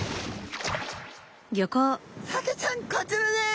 サケちゃんこちらです。